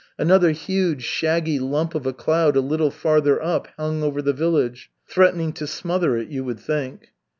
Another huge shaggy lump of a cloud a little farther up hung over the village, threatening to smother it, you would think.